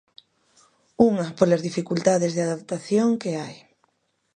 Unha, polas dificultades de adaptación que hai.